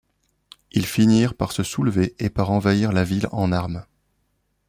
Ils finirent par se soulever et par envahir la ville en armes.